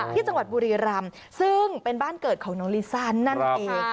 ที่จังหวัดบุรีรำซึ่งเป็นบ้านเกิดของน้องลิซ่านั่นเอง